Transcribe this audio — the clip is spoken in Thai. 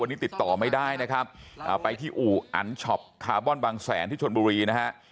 วันนี้ติดต่อไม่ได้นะครับไปที่อู่อันช็อปคาร์บอนบางแสนที่ชนบุรีนะฮะ